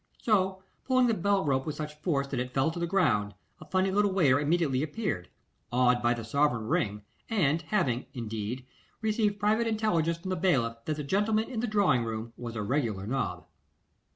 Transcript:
So pulling the bell rope with such force that it fell to the ground, a funny little waiter immediately appeared, awed by the sovereign ring, and having, indeed, received private intelligence from the bailiff that the gentleman in the drawing room was a regular nob.